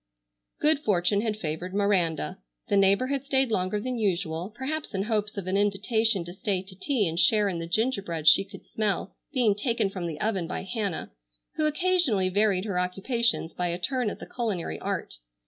Good fortune had favored Miranda. The neighbor had stayed longer than usual, perhaps in hopes of an invitation to stay to tea and share in the gingerbread she could smell being taken from the oven by Hannah, who occasionally varied her occupations by a turn at the culinary art.